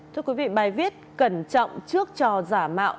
thưa quý vị bài viết cẩn trọng trước trò giả mạo